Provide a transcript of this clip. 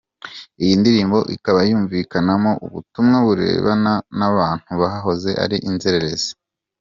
Iyi ndirimbo ikaba yumvikanamo ubutumwa burebana n’abantu bahoze ari inzererezi.